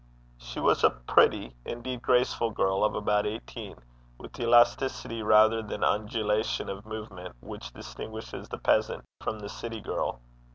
She was a pretty, indeed graceful girl of about eighteen, with the elasticity rather than undulation of movement which distinguishes the peasant from the city girl.